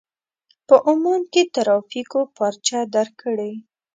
په عمان کې ترافيکو پارچه درکړې.